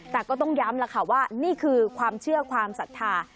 แต่ก็ต้องย้ำแล้วค่ะว่านี่คือความเชื่อความศรัทธา